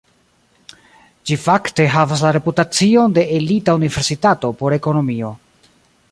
Ĝi fakte havas la reputacion de elita universitato por ekonomio.